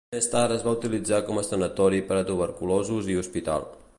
Més tard es va utilitzar com a sanatori per a tuberculosos i hospital.